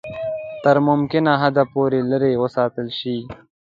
تر ممکنه حده پوري لیري وساتل شي.